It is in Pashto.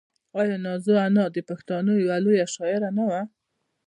آیا نازو انا د پښتنو یوه لویه شاعره نه وه؟